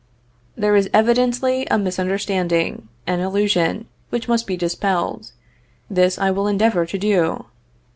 There evidently is a misunderstanding, an illusion, which must be dispelled. This I will endeavor to do.